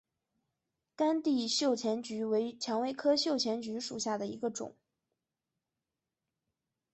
干地绣线菊为蔷薇科绣线菊属下的一个种。